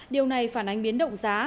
điều này phản ánh biến động giá